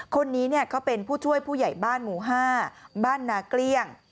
คนนี้เขาเป็นผู้ช่วยผู้ใหญ่บ้านหมู่๕บ้านนาเกลี้ยง